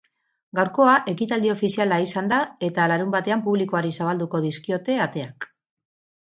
Gaurkoa ekitaldi ofiziala izan da eta larunbatean publikoari zabalduko dizkiote ateak.